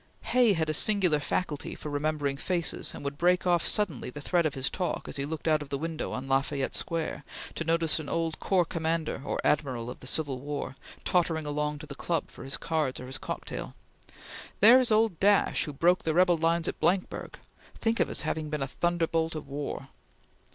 Hay had a singular faculty for remembering faces, and would break off suddenly the thread of his talk, as he looked out of the window on La Fayette Square, to notice an old corps commander or admiral of the Civil War, tottering along to the club for his cards or his cocktail: "There is old Dash who broke the rebel lines at Blankburg! Think of his having been a thunderbolt of war!"